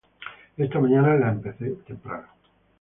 Esta mañana la empecé temprano